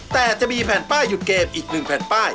แต่จะมีแผ่นป้ายหยุดเกมอีก๑แผ่นป้าย